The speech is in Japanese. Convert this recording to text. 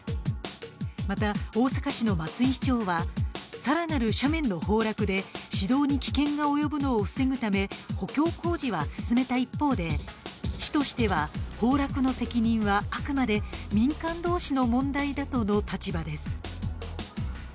また大阪市の松井市長はさらなる斜面の崩落で指導に危険が及ぶのを防ぐため補強工事は進めた一方で市としては崩落の責任はあくまで民間同士の問題だとの立場です